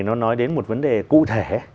nói đến một vấn đề cụ thể